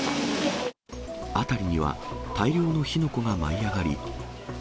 辺りには大量の火の粉が舞い上がり。